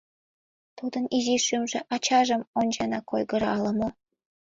Тудын изи шӱмжӧ ачажым онченак ойгыра ала-мо?